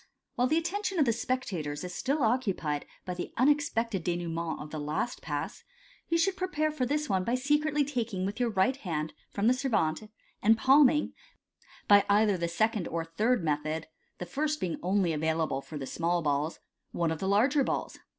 — While the attention of the spectators is still occupied by the unexpected denouement of the last Pass, you should prepare for this one by secretly taking with your right hand from the servante, and palming (by either the second or third method, the first being only available for the small balls) one of the larger balls.